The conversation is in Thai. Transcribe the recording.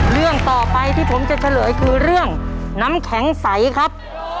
เรื่องต่อไปที่ผมจะเฉลยคือเรื่องน้ำแข็งใสครับ